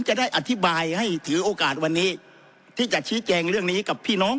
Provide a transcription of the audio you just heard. จะได้อธิบายให้ถือโอกาสวันนี้ที่จะชี้แจงเรื่องนี้กับพี่น้อง